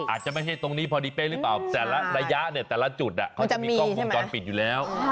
อาจจะไม่ใช่ตรงนี้พอดีเป้หรือเปล่าระยะแต่ละจุดมันจะมีกล้องวงจรปิดอยู่แล้ว